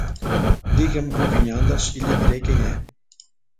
Diga-me com quem andas e lhe direi quem